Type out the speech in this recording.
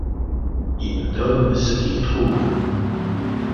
Ils nous donnent ce qu’ils trouvent.